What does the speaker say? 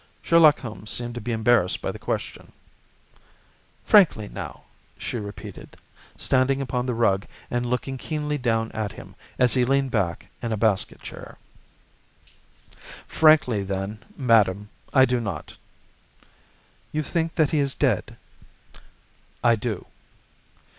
Sherlock Holmes seemed to be embarrassed by the question. "Frankly, now!" she repeated, standing upon the rug and looking keenly down at him as he leaned back in a basket chair. "Frankly, then, madam, I do not." "You think that he is dead?" "I do."